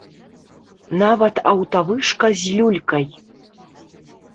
Нават аўтавышка з люлькай!